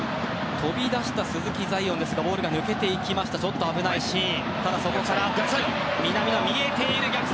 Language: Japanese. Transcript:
飛び出した鈴木彩艶ですがボールが抜けて行ってちょっと危ないシーン。